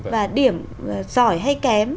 và điểm giỏi hay kém